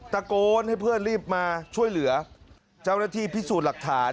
ตะโกนให้เพื่อนรีบมาช่วยเหลือเจ้าหน้าที่พิสูจน์หลักฐาน